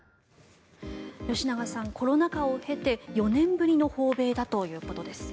吉永さん、コロナ禍を経て４年ぶりの訪米だということです。